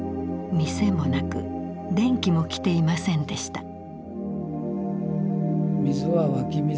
店もなく電気も来ていませんでした。